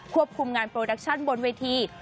คุมงานโปรดักชั่นบนเวที